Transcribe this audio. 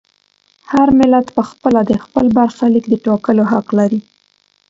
هر ملت په خپله د خپل برخلیک د ټاکلو حق لري.